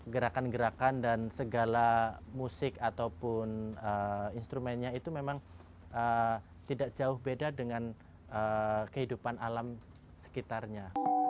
gerakan gerakan dan segala musik ataupun instrumennya itu memang tidak jauh beda dengan kehidupan alam sekitarnya